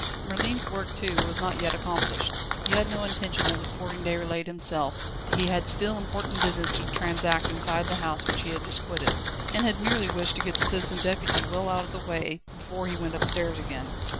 Merlin's work, too, was not yet accomplished. He had had no intention of escorting Déroulède himself; he had still important business to transact inside the house which he had just quitted, and had merely wished to get the Citizen Deputy well out of the way, before he went upstairs again.